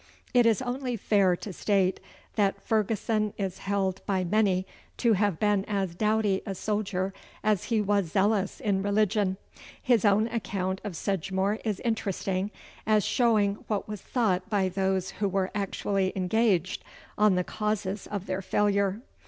It is only fair to state that Ferguson is held by many to have been as doughty a soldier as he was zealous in religion. His own account of Sedgemoor is interesting, as showing what was thought by those who were actually engaged on the causes of their failure.